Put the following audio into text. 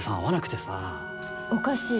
おかしい。